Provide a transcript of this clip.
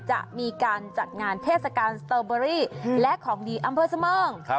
จะมีการจัดงานเทศกาลสตอเบอรี่และของดีอำเภอเสมิง